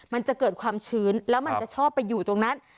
มันจะเกิดความชื้นแล้วมันจะชอบไปอยู่ตรงนั้น